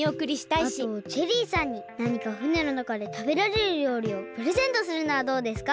あとジェリーさんになにかふねのなかでたべられるりょうりをプレゼントするのはどうですか？